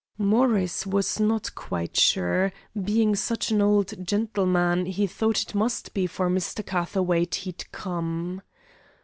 Morris was not quite sure; being such an old gentleman, he thought it must be for Mr. Catherwaight he'd come.